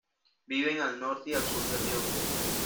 Viven al norte y al sur del río Geba.